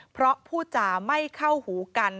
เพราะผู้จ่าไม่เข้าหูกัน